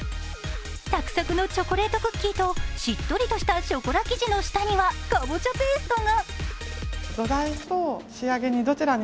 サクサクのチョコレートクッキーとしっとりとしたショコラ生地の下にはカボチャペーストが。